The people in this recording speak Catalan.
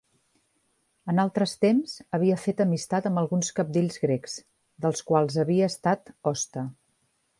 En altres temps, havia fet amistat amb alguns cabdills grecs, dels quals havia estat hoste.